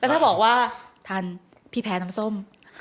ถ้าบอกว่าทานพี่แพ้น้ำส้ม